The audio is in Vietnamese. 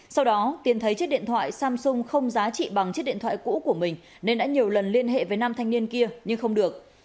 sau đó tiến thấy chiếc điện thoại samsung không giá trị bằng chiếc điện thoại cũ của mình nên đã nhiều lần liên hệ với nam thanh niên kia nhưng không được